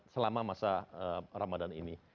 selama masa ramadhan ini